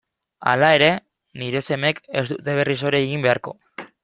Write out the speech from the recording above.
Hala ere, nire semeek ez dute berriz hori egin beharko.